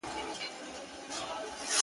پلار دزویه حرام غواړي نه شرمېږي,